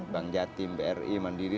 bank jatim bri mandiri